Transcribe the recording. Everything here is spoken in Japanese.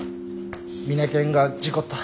ミネケンが事故った。